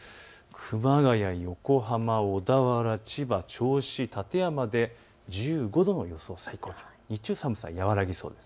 熊谷、横浜、小田原、千葉、銚子、館山で１５度の予想、最高気温です。